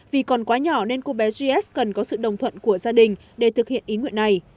vì còn quá nhỏ nên cô bé gs cần có sự đồng thuận của gia đình để thực hiện ý nguyện này